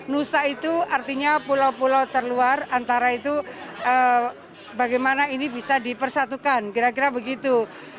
nusa itu artinya pulau pulau terluar antara itu bagaimana ini bisa dipersatukan kira kira begitu